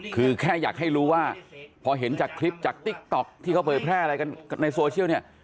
คือแค่อยากให้รู้ว่าพอเห็นจากคลิปจากติ๊กต๊อกที่เขาเผยแพร่อะไรกันในโซเชียลเนี่ย